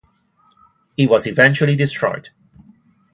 It was eventually destroyed.